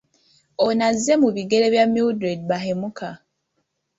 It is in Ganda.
Ono azze mu bigere bya Mildred Bahemuka.